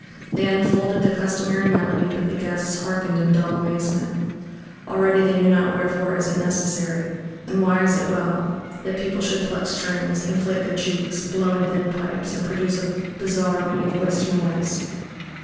They unfolded the customary melody but the guests hearkened in dull amazement. Already they knew not wherefore is it necessary, and why is it well, that people should pluck strings, inflate their cheeks, blow in thin pipes, and produce a bizarre, many voiced noise.